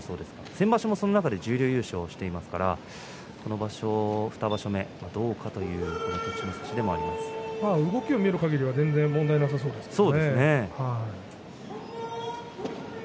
先場所もその中で十両優勝していますからこの場所、２場所目どうか動きを見るかぎりは全然問題なさそうですね。